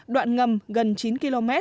đoạn ngầm gần